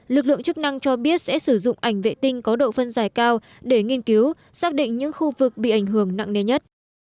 lực lượng chức năng cho biết sẽ sử dụng ảnh vệ tinh có độ phân dài cao để nghiên cứu xác định những khu vực bị ảnh hưởng nặng nề nhất